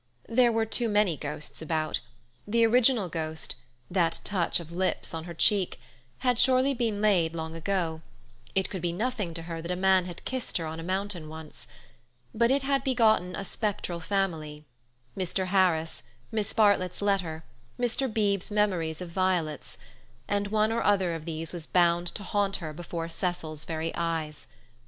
There were too many ghosts about. The original ghost—that touch of lips on her cheek—had surely been laid long ago; it could be nothing to her that a man had kissed her on a mountain once. But it had begotten a spectral family—Mr. Harris, Miss Bartlett's letter, Mr. Beebe's memories of violets—and one or other of these was bound to haunt her before Cecil's very eyes.